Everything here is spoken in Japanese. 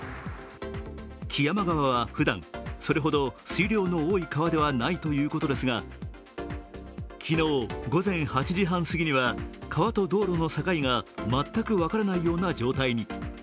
木山川はふだん、それほど水量の多い川ではないということですが、昨日午前８時半すぎには川と道路の境が全く分からないような状態に。